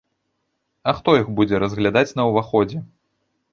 А хто іх будзе разглядаць на ўваходзе?